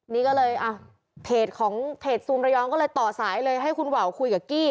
นี่ก็เลยอ่ะเพจของเพจซูมระยองก็เลยต่อสายเลยให้คุณวาวคุยกับกี้